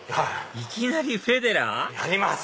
いきなりフェデラー？やります！